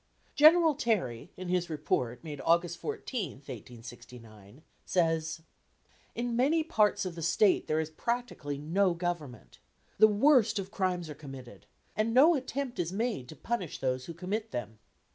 General Terry, in his report, made August 14, 1869, says "In many parts of the State there is practically no government. The worst of crimes are committed, and no attempt is made to punish those who commit them.